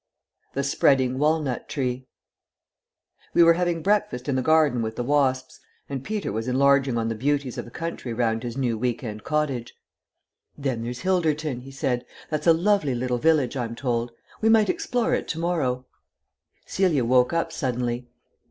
THE SPREADING WALNUT TREE We were having breakfast in the garden with the wasps, and Peter was enlarging on the beauties of the country round his new week end cottage. "Then there's Hilderton," he said; "that's a lovely little village, I'm told. We might explore it to morrow." Celia woke up suddenly.